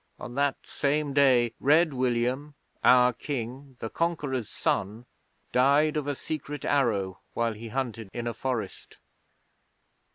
On that same day Red William our King, the Conqueror's son, died of a secret arrow while he hunted in a forest.